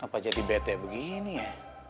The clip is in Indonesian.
apa jadi bete begini ya